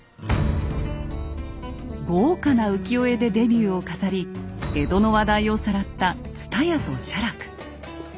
豪華な浮世絵でデビューを飾り江戸の話題をさらった蔦屋と写楽。